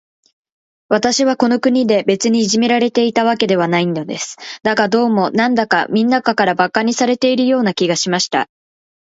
私はこの国で、別にいじめられたわけではないのです。だが、どうも、なんだか、みんなから馬鹿にされているような気がしました。